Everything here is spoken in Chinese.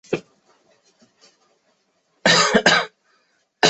臧明华。